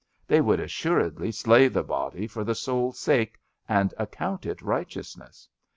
They would assuredly slay the body for the souPs sake and account it righteousness.